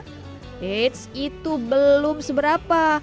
eits itu belum seberapa